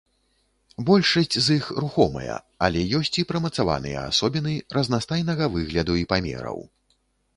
Большасць з іх рухомыя, але ёсць і прымацаваныя асобіны разнастайнага выгляду і памераў.